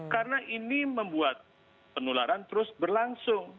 karena ini membuat penularan terus berlangsung